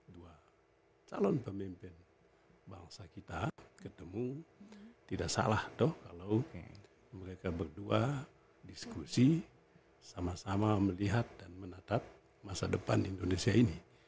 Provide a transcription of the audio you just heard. dua calon pemimpin bangsa kita ketemu tidak salah kalau mereka berdua diskusi sama sama melihat dan menatap masa depan indonesia ini